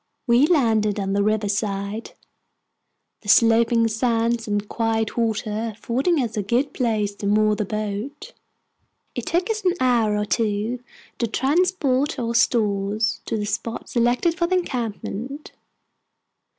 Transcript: We landed on the river side, the sloping sands and quiet water affording us a good place to moor the boat. It took us an hour or two to transport our stores to the spot selected for the encampment.